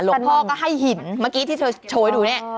แล้วพ่อก็ให้หินเมื่อกี้ที่โชว์ให้ดูเนี่ย